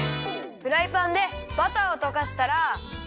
フライパンでバターをとかしたら。